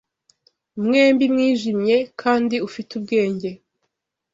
Mwembi mwijimye kandi ufite ubwenge: